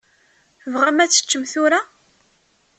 Tebɣam ad teččem tura?